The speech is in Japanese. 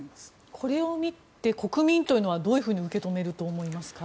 これを見て、国民はどういうふうに受け止めると思いますか？